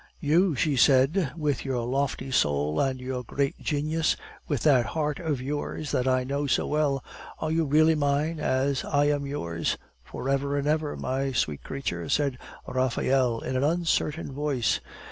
"You," she said, "with your lofty soul and your great genius, with that heart of yours that I know so well; are you really mine, as I am yours?" "For ever and ever, my sweet creature," said Raphael in an uncertain voice.